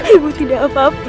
ibu tidak apa apa